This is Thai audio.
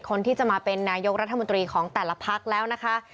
คนที่จะมาเป็นนายกรัฐมนตรีของแต่ละพักแล้วนะคะ